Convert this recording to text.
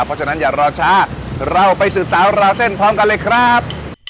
เพราะฉะนั้นอย่ารอช้าเราไปสืบสาวราวเส้นพร้อมกันเลยครับ